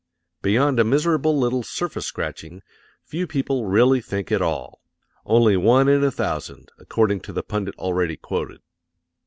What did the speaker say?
Beyond a miserable little surface scratching, few people really think at all only one in a thousand, according to the pundit already quoted.